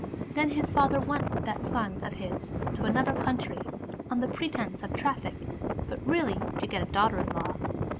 Then his father went with that son of his to another country, on the pretense of traffic, but really to get a daughter in law.